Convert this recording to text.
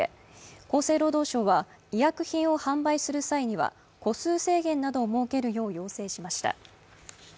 厚生労働省は医薬品を販売する際には個数制限などを設けるよう要請しました。